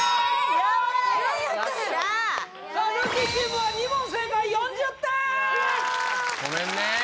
さあルーキーチームは２問正解４０点いや・ごめんね・